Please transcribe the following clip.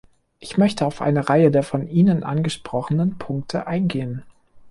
Ich möchte auf eine Reihe der von Ihnen angesprochenen Punkte eingehen.